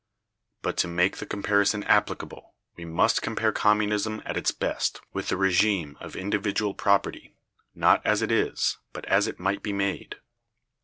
But, to make the comparison applicable, we must compare Communism at its best with the régime of individual property, not as it is, but as it might be made.